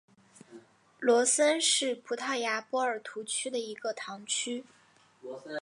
罗森是葡萄牙波尔图区的一个堂区。